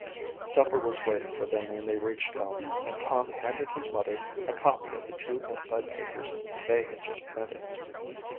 Supper was waiting for them when they reached home and Tom handed his mother a copy of the two inside pages they had just printed.